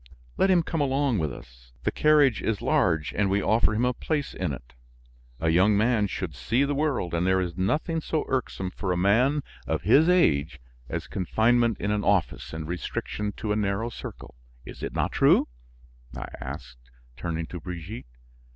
Let him come along with us; the carriage is large and we offer him a place in it. A young man should see the world and there is nothing so irksome for a man of his age as confinement in an office and restriction to a narrow circle. Is it not true?" I asked, turning to Brigitte.